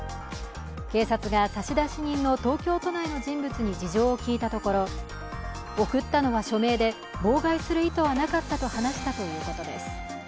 警察が差出人の東京都内の人物に事情を聴いたところ送ったのは署名で、妨害する意図はなかったと話したということです。